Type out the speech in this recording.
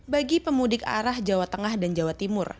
bagi pemudik arah jawa tengah dan jawa timur